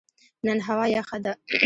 نن هوا یخه ده